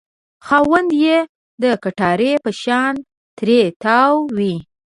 خاوند یې د کټارې په شان ترې تاو وي.